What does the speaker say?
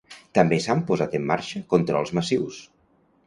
També s'han posat en marxa controls massius.